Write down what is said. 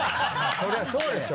それはそうでしょ。